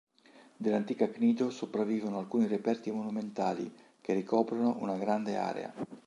Dell'antica Cnido sopravvivono alcuni reperti monumentali che ricoprono una grande area.